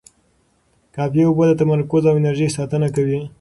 کافي اوبه د تمرکز او انرژۍ ساتنه کوي.